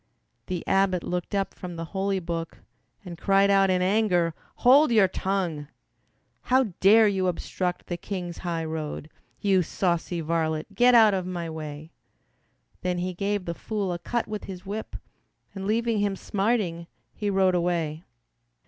The abbot looked up from the holy book And cried out in anger, "Hold your tongue! "How dare you obstruct the King's highroad, You saucy varlet, get out of my way." Then he gave the fool a cut with his whip And leaving him smarting, he rode away.